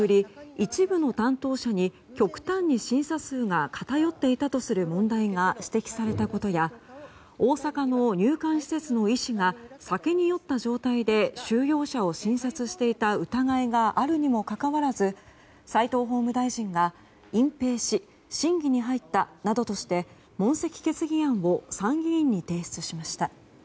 一部の担当者に極端に審査数が偏っていたとする問題が指摘されたことや大阪の入管施設の医師が酒に酔った状態で収容者を診察していた疑いがあるにもかかわらず齋藤法務大臣が隠蔽し審議に入ったなどとして問責決議案を参議院に提出しました。